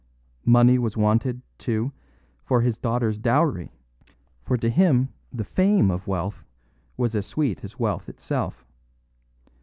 Money was wanted, too, for his daughter's dowry; for to him the fame of wealth was as sweet as wealth itself.